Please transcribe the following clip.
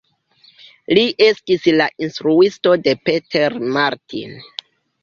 Li estis la instruisto de Peter Martin.